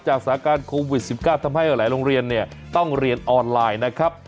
สถานการณ์โควิด๑๙ทำให้หลายโรงเรียนเนี่ยต้องเรียนออนไลน์นะครับ